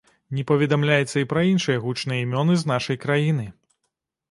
Не паведамляецца і пра іншыя гучныя імёны з нашай краіны.